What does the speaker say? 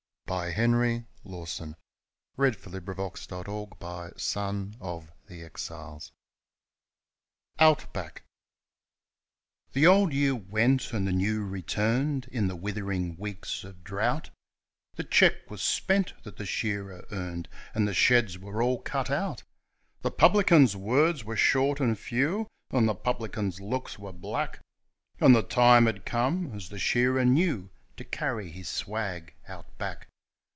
(I never thought I'd faint before) He's coming up the track. Out Back The old year went, and the new returned, in the withering weeks of drought, The cheque was spent that the shearer earned, and the sheds were all cut out; The publican's words were short and few, and the publican's looks were black And the time had come, as the shearer knew, to carry his swag Out Back.